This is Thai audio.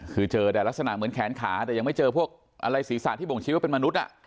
คือเจอแต่ลักษณะเหมือนแขนขาแต่ยังไม่เจอพวกอะไรศีรษะที่บ่งชี้ว่าเป็นมนุษย์